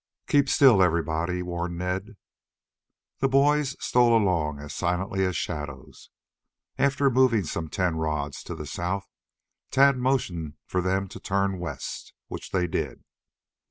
"Keep still, everybody," warned Ned. The boys stole along as silently as shadows. After moving some ten rods to the south, Tad motioned for them to turn west, which they did.